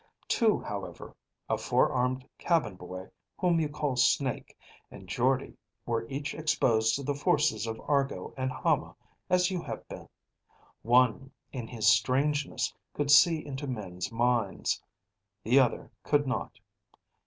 Two, however, a four armed cabin boy whom you call Snake, and Jordde were each exposed to the forces of Argo and Hama as you have been. One, in his strangeness, could see into men's minds. The other could not.